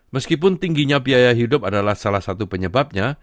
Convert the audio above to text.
meskipun tingginya biaya hidup adalah salah satu penyebabnya